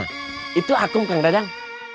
itu akum kang dadang